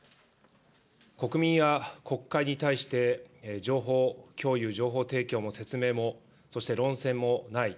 国民や国会に対して、情報共有、情報提供も説明も、そして論戦もない。